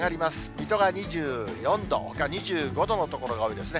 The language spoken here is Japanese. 水戸が２４度、ほか２５度の所が多いですね。